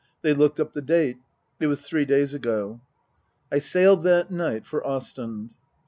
They looked up the date. It was three days ago. I sailed that night for Ostend.